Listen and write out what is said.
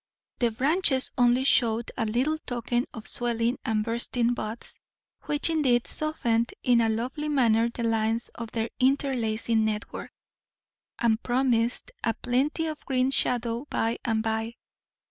The branches only showed a little token of swelling and bursting buds, which indeed softened in a lovely manner the lines of their interlacing network, and promised a plenty of green shadow by and by.